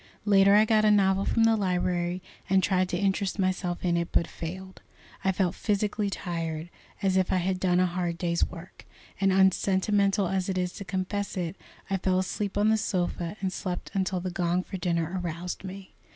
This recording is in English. Later I got a novel from the library, and tried to interest myself in it, but failed. I felt physically tired, as if I had done a hard day's work, and, unsentimental as it is to confess it, I fell asleep on the sofa, and slept until the gong for dinner aroused me.